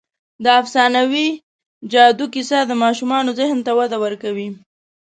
د افسانوي جادو کیسه د ماشومانو ذهن ته وده ورکوي.